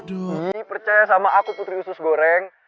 ini percaya sama aku putri usus goreng